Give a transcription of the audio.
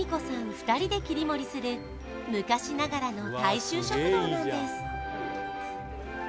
２人で切り盛りする昔ながらの大衆食堂なんです